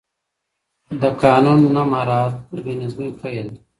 د قانون نه مراعت د بې نظمۍ پیل دی